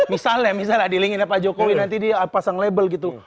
misalnya misalnya di link in nya pak jokowi nanti dia pasang label gitu